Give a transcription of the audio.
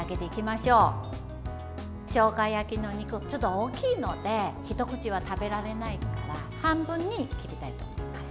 しょうが焼きの肉ちょっと大きいので一口では食べられないから半分に切りたいと思います。